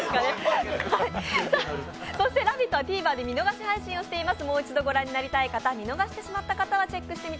「ラヴィット！」はＴＶｅｒで見逃し配信をしています。